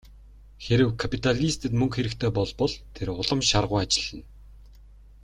Хэрэв капиталистад мөнгө хэрэгтэй болбол тэр улам шаргуу ажиллана.